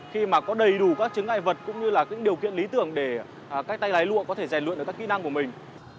khi mà có đầy đủ các chứng ngại vật cũng như là những điều kiện lý tưởng để các tay lái lụa có thể rèn luyện được các kỹ năng của mình